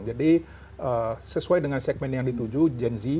jadi sesuai dengan segmen yang dituju genz